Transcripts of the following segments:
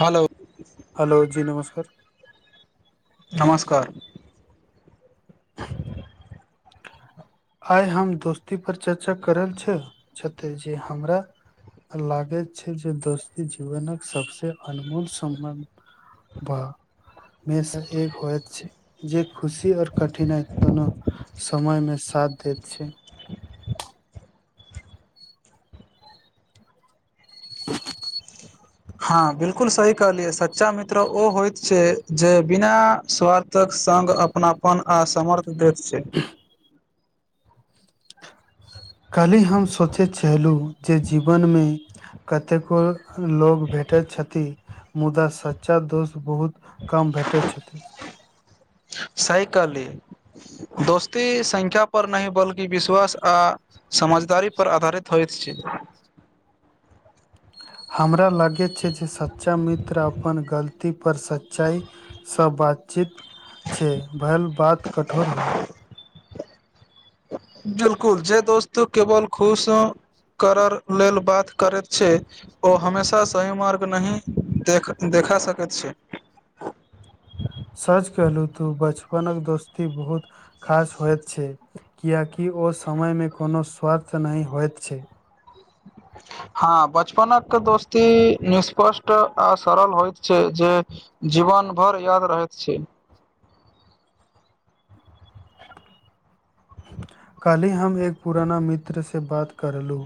Hello hello जी नमस्कार नमस्कार आइ हम दोस्ती पर चर्चा करल छे छथि जे हमरा लागैत छै जे दोस्ती जीवनक सबसे अनमोल सम्बन्ध बा मेसँ एक होइत छै जे खुशी और कठिनाइ दोनो समय मे साथ दैत छै [inaudible] हँ बिल्कुल सही कहलियै सच्चा मित्र ओ होइत छै जे बिना स्वार्थ तक संग अपनापन आ समर्थ दैत छै काल्हि हम सोचैत छलहुँ जे जीवनमे कतेको लोग भेटैत छथि मुदा सच्चा दोस्त बहुत कम भेटैत छथि सही कहली दोस्ती संख्या पर नहि बल्कि विश्वास आ समझदारी पर आधारित होइत छै हमरा लगैत छै जे सच्चा मित्र अपन गलतीपर सच्चाइ सब बातचीत छै भेल बात कठोर होइ बिल्कुल जे दोस्तो केवल खुश करर लेल बात करैत छै ओ हमेशा सही मार्ग नहि देख देखा सकैत छै सच कहलु तू बचपनक दोस्ती बहुत खास होयत छै कियेकि ओ समयमे कोनो स्वार्थ नहि होइत छै [inaudible] हँ बचपनक दोस्ती निष्पष्ट आ सरल होयत छै जे जीवन भर याद रहैत छै काल्हि हम एक पुराना मित्र से बात करलु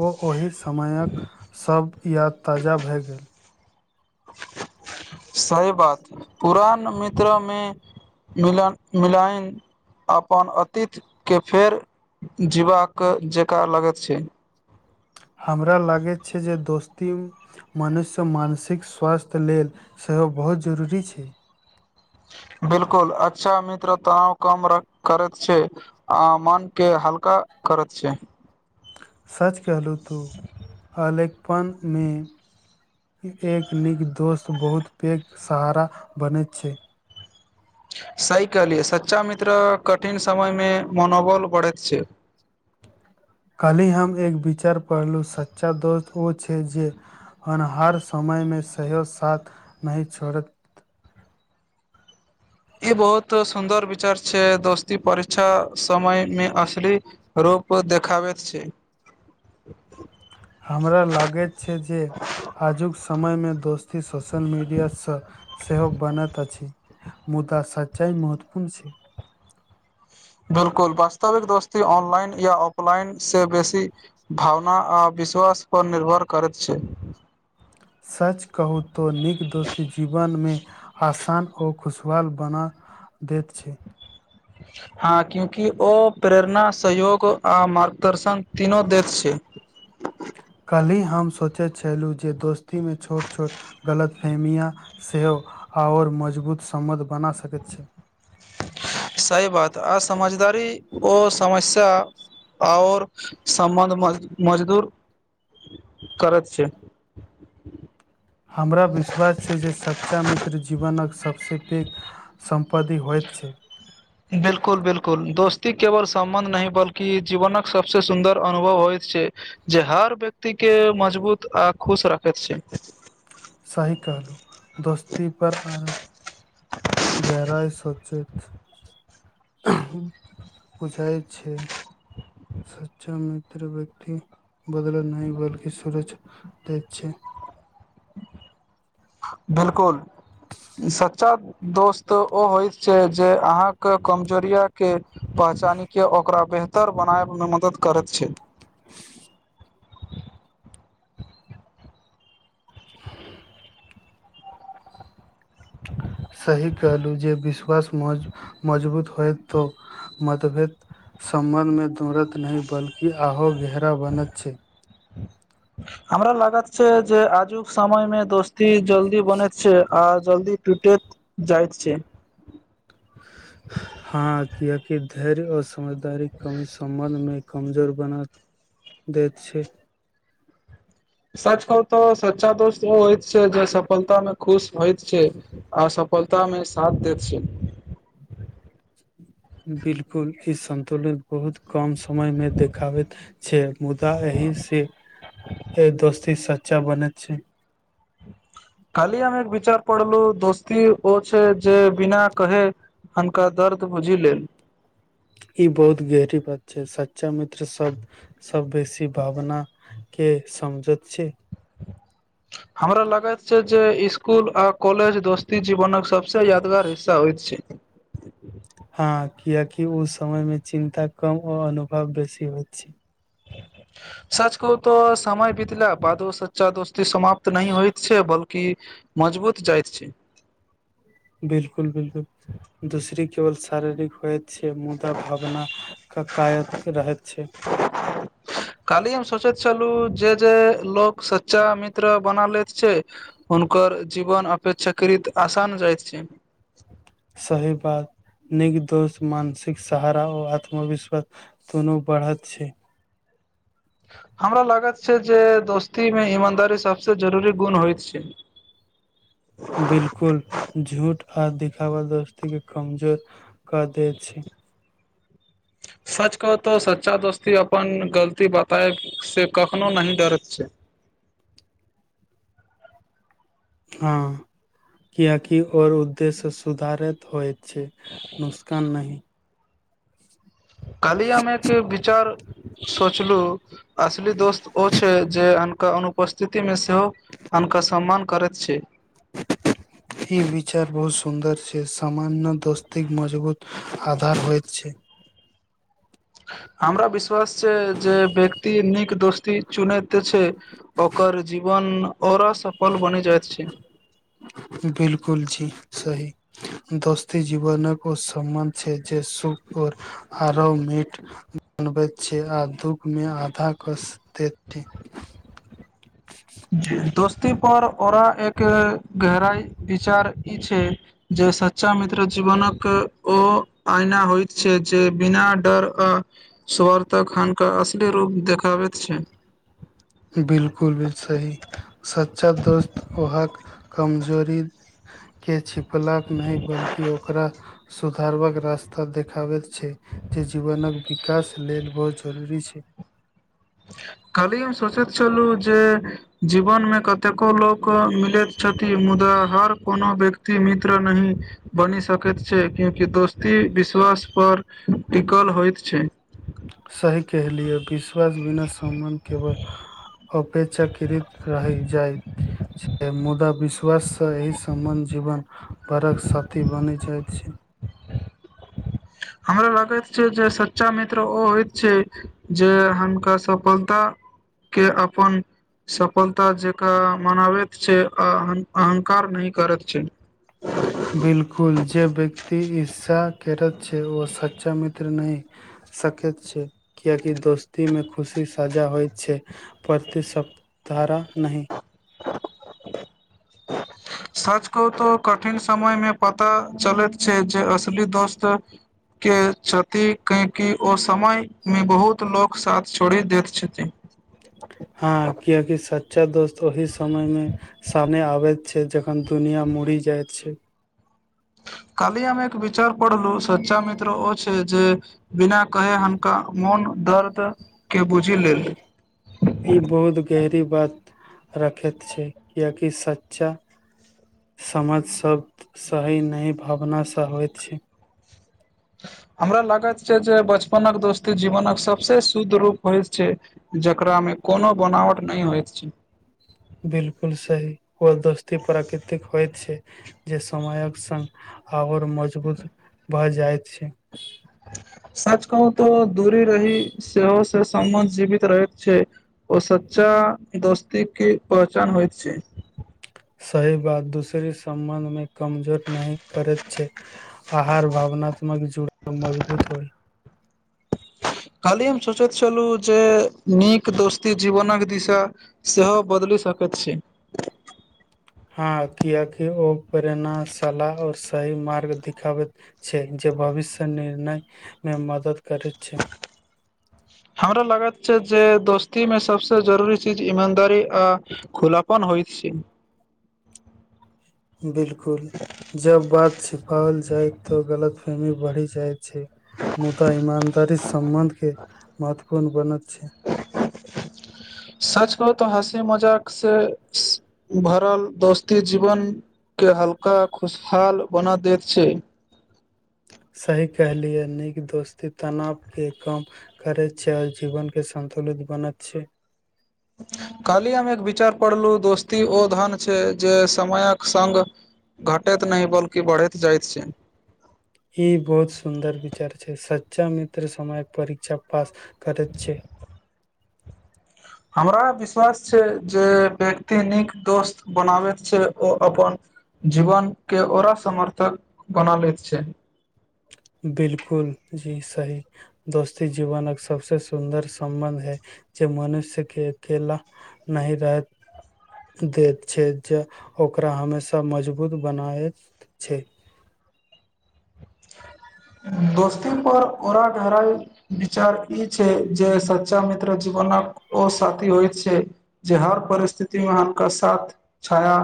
ओ ओहि समयक सब याद ताजा भए गेल सही बात पुरान मित्रमे मिलन मिलाइन अपन अतीतके फेर जीबाक जेका लगैत छै हमरा लागैत छै जे दोस्ती मनुष्य मानसिक स्वास्थ्य लेल सेहो बहुत जरूरी छै बिल्कुल अच्छा मित्र तनाव कम करैत छै आ मन के हल्का करैत छै सच कहलू तू अलेकपनमे एक नीक दोस्त बहुत पैघ सहारा बनैत छै सही कहलियै सच्चा मित्र कठिन समय मे मनोबल बढ़ैत छै कल्हि हम एक विचार पढ़लु सच्चा दोस्त ओ छै जे हनहार समयमे सेहो साथ नहि छोडैत ई बहुत सुंन्दर विचार छै दोस्ती परीक्षा समयमे असली रूप देखाबैत छै हमरा लागैत छै जे आजुक समयमे दोस्ती सोशल मीडियासँ सेहो बनैत अछि। मुदा सच्चाइ महत्वपूर्ण छै बिल्कूल वास्तविक दोस्ती ऑनलाइन या ऑफलाइन से बेसी भावना आ विश्वास पर निर्भर करैत छै सच कहू तो नीक दोस्ती जीवन मे आसान ओ खुशहाल बना दैत छै [unintelligible] हँ कियोकि ओ प्रेरणा सहयोग आ मार्गदर्शन तीनो देत छै कल्हि हम सोचैत छलहुँ जे दोस्तीमे छोट छोट गलत फहमिया सेहो आओर मजबूत सम्बध बना सकैत छै सही बात अ समझदारी ओ समस्या आओर समबन्ध मजबुत करैत छै हमरा विश्वास से जे सच्चा मित्र जीवनक सबसँ पैघ सम्पत्ति होइत छै बिल्कुल बिल्कुल दोस्ती केवल सम्बन्ध नहि बल्कि जीवनक सबसँ सुन्दर अनुभव होइत छै जे हर व्यक्ति के मजबूत आ खुश रखैत छै सही कहलो दोस्ती पर आरो गहराइ सोचेत बुझाय छै सच्चा मित्र व्यक्ति बदला नहि बल्कि सूरज देत छै बिल्कूल सच्चा दोस्त ओ होय छै जे अहाँके कमजोरिया के पहचानीके ओकरा बेहतर बनाब मे मदद करैत छै सही कहलहु जे विश्वास मजबूत होय तो मतभेद सम्बन्ध मे दौड़त नहि बल्कि आहो गहरा बनत छै हमरा लागा छै जे आजुक समय मे दोस्ती जल्दी बने छै आ जल्दी टूटैत जाइत छै हँ कियाकि धैर्य आ समझदारी कमी सम्बन्धमे कमजोर बना दैत छै सच कहूँ तऽ सच्चा दोस्त होइ छै जे सफलता मे खुश होइत छै आ असफ्लता मे साथ देैत छै बिल्कूल ई संन्तुलन बहुत कम समय में देखाबैत छै मुदा एहि से दोस्ती सच्चा बनैत छै काल्हि हमरा एक विचार पड़लो जे दोस्ती ओ छै जे बिना कहे अन्का दर्द बुझि लेल ई बहुत गहरी बात छै सच्चा मित्र सब सब बेसी भावना के समझेत छै हमरा लगैत छै जे स्कुल आ कॉलेज दोस्ती जीवनक सब सब यादगार हिस्सा होइत छै हँ कियकि ओ समय मे चिन्ता कम आ अनुभव बेसी होइत छै सच कहु तऽ समय बीतला बादो सच्चा दोस्ती समाप्त नह होइत छै बलकि की मजबूत जाइत छै बिल्कुल बिल्कुल दूसरी केवल शारीरिक होएत छै मुदा भावना क कायत रहैत छै [inaudible] काल्हि हम सोचैत छलू जे जे लोक सच्चा मित्र बना लैत छै हुनकर जीवन अपेक्षाकृत आसान जाइत छै सही बात निक दोस्त मानसिक सहारा और आत्मविश्वास दुनू बढ़त छै हमरा लागत छै जे दोस्ती मे ईमानदारी सबसे जरुरी गुण होइत छै बिलकुल झूठ आ देखावा दोस्ती के कमजोर कऽ दैत छै सच कहु तो सच्चा दोस्ती अपन गलती बताय से कखनो नही डरैत छै हँ कियेकि और उद्देश्य सुधारैत होयत छै नुसकान नहि कल्हि हम एक विचार सोचलु असली दोस्त ओ छै जे अनका अनुपस्थितिमे सेहो अनका सम्मान करैत छै ई विचार बहुत सुन्दर छै सामान्य दोस्तीक मजबूत आधार होइत छै हमरा विश्वास छै जे व्यक्ति नीक दोस्ती चुनैत छै ओकर जीवन और सफल बनि जाइत छै बिल्कुल जी सही दोस्ती जीवनक ओ समबन्ध छै जे सुख और आराम मित बनबैत छै आ दुख मे आधा कस दैत छै दोस्ती पर औरा एक गहराइ विचार ई छै जे सच्चा मित्र जीवनक ओ आइना होइत छै जे बिना डर अ स्वर तखन क असली रूप देखाबैत छै बिल्कुल भी सही सच्चा दोस्त उहाक कमजोरी के छिपलक नहि बल्कि ओकरा सुधारबाक रास्ता देखाबैत छै जे जीवनक विकास लेल बहुत जरूरी छै। काल्हि हम सोचैत छलु जे जीवन मे कतेको लोक मिलैत छथि मुदा हर कोनो व्यक्ति मित्र नहि बनि सकैत छै क्यूंकि दोस्ती विश्वास पर टिकल होइत छै। सही कहलिय विश्वास बिना सम्बन्ध केवल अप पेक्षाकृत रहि जाइत। छै मुदा विश्वास सँ एहि सम्बन्ध जीवन बरक साथी बनि जाइत छी हमरा लागैत छै जे सच्चा मित्र ओ होइत छै जे हुनका सफलताके अपन सफलता जकाँ मनाबैत छै आ अहंकार नहि करैत छै। बिल्कुल जे व्यक्ति ईर्ष्या केरत छै ओ सच्चा मित्र नहि। सकैत छै कियेकि दोस्तीमे खुशी सजा होइत छै। प्रतिसप्तारा नहि [inaudible] सच कहु तो कठिन समयमे पता चलैत छै जे असली दोस्त के छथि काहेकि ओ समयमे बहुत लोक साथ छोड़ि दैत छथिन। हँ कियेकि सच्चा दोस्त ओहि समयमे सामने आबैत छै जखन दुनियाँ मुडि जाइत छै। काल्हि हम एक विचार पढ़लू सच्चा मित्र ओ छै जे बिना कहे हमका मोन दर्द के बुझि लेल ई बहुत गेहरी बात रखैत छै किआकि सच्चा समझ सब सही नहि भावनासँ होइत छी हमरा लागैत छै जे बचपनक दोस्ती जीवनक सबसे शुद्ध रूप होयत छै जकरा मे कोनो बनावट नहि होइत छै बिलकुल सही ओ दोस्ती प्राकृतिक होइत छै जे समयक संग आओर मजबूत भऽ जाइत छै सच कहू तऽ दूरी रहि सेहो से समबन्ध जीवित रहैत छै ओ सच्चा दोस्ती के पहचान होइत छै सही बात दूसरी सम्बन्ध मे कमजोर नहि करैत छै आहार भावनात्मक जोड़ मजबूत होइ खाली हम सोचैत छलहुँ जे नीक दोस्ती जीवनक दिशा सेहो बदलि सकैत छै हँ कियाकि ओ प्रेणा सालह और सही मार्ग दिखाबैत छै जे भविष्य निर्णय मे मदद करैत छै हारा लागत छै जे दोस्ती में सबसे जरूरी चीज ईमानदारी आ खुलापन होइ छै बिलकुल जब बात छिपाओल जाय तो गलतफहमी बढ़ी जायत छै मुदा ईमानदारी सम्बन्ध के महत्वपूर्ण बनत छै सच कहू तऽ हँसी मजाक से भरल दोस्ती जीवन के हल्का खुशहाल बना देत छै सही कहलियै नीक दोस्ती तनाव के कम कर छै आ जीवन के सन्तुलित बनत छै खाली अमे एक विचार पड़लू दोस्त ओ धन छै जे समयक संग घटैत नहि बल्कि बढ़ैत जाइत छै ई बहुत सुंदर विचार छै सच्चा मित्र समय परीक्षा पास करैत छै हमरा विश्वास छै जे व्यक्ति नीक दोस्त बनाबैत छै ओ अपन जीवन के ओरा समर्थक बना लैत छै बिलकुल जी सही दोस्ती जीवनक सबसे सुन्दर सम्बन्ध है जे मनुष्य के अकेेला नहि रहेत देत छै जे ओकरा हमेशा मजबूत बनायत छै दोस्ती पर ओरा घरण विचार ई छै जे सच्चा मित्र जीवनक ओ साथी होइ छै जे हर परिस्थिति मे हुनका साथ छाया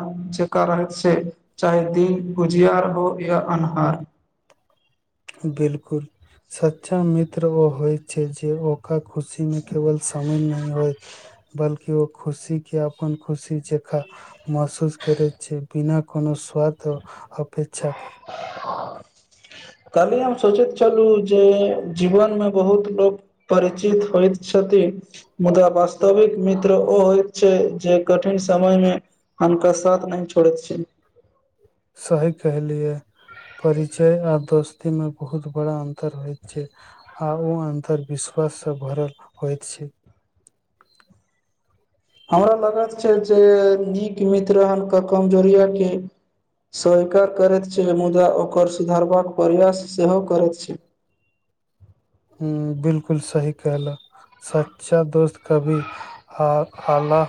जेक रहैत से चाहे दिन उजियार हो या अन्हार बिलकुल सच्चा मित्र ओ होय छै जे ओकर खुशी मे केवल शामिल नहि होइत बल्कि ओ खुशी के अपन खुशी जेका महसूस करैत छै बिना कोनो स्वाद अपेक्षा के [inaudible] काल्ही हम सोचैत छलहुँ जे जीवनमे बहुत लोक परिचित होइत छथिन मुदा वास्तविक मित्र ओ होइत छै जे कठिन समय मे हुनका साथ नहि छोड़ैत छै सही कहलियै परिचय आ दोस्ती मे बहुत बड़ा अंतर होयत छै आ ओ अंतर विश्वास से भरल होइत छै हमरा लगत छै जे नीक मित्र हन केँ कमजोरिया केँ स्वीकार करैत छै मुदा ओकर सुधारबाक प्रयास सेहो करैत छै हुँ बिलकुल सही कहलहुँ सच्चा दोस्त कभी आ आला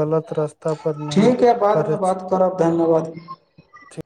गलत रास्ता पर नै ठीक य बादमे करैछ बात करब धन्यवाद